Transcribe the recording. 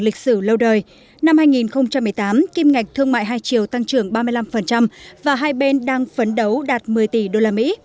lịch sử lâu đời năm hai nghìn một mươi tám kim ngạch thương mại hai triệu tăng trưởng ba mươi năm và hai bên đang phấn đấu đạt một mươi tỷ đô la mỹ